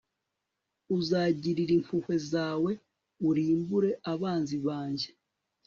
uzagirira impuhwe zawe urimbure abanzi banjye